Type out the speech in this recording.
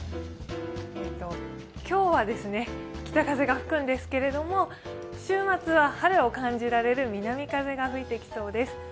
今日は北風が吹くんですけど週末は春を感じられる南風が吹いてきそうです。